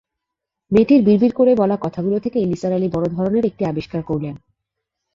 মেয়েটির বিড়বিড় করে বলা কথাগুলো থেকেই নিসার আলি বড় ধরনের একটি আবিষ্কার করলেন।